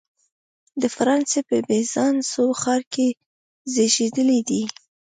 د فرانسې په بیزانسوون ښار کې زیږېدلی دی.